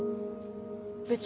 部長。